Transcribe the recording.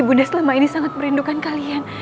ibu sudah selama ini sangat merindukan kalian